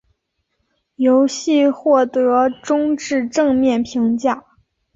游戏获得中至正面评价。